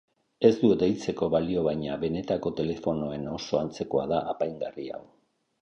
Ez du deitzeko balio baina benetako telefonoen oso antzekoa da apaingarri hau.